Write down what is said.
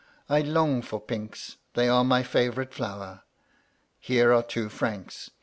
I long for pinks; they are my &yourite flower. Here are two francs.